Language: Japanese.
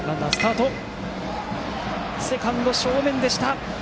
セカンド正面でした。